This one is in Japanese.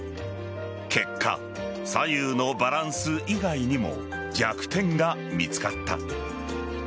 結果、左右のバランス以外にも弱点が見つかった。